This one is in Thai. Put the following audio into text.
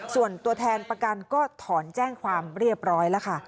ส่วนตัวแทนประกันก็ถอนแจ้งความเรียบร้อยแล้วค่ะ